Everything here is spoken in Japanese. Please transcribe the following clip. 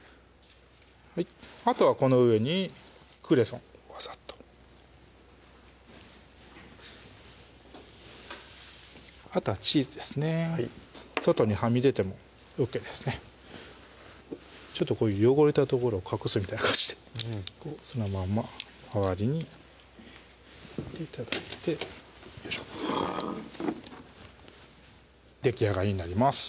あとはこの上にクレソンわさっとあとはチーズですね外にはみ出てもＯＫですねこういう汚れた所を隠すみたいな感じでそのまんま周りに振って頂いてよいしょできあがりになります